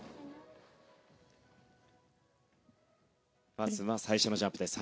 まずは最初のジャンプです。